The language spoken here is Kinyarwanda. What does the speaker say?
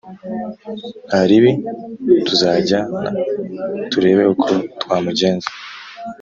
Ntaribi tuzajyana turebe uko twamugenza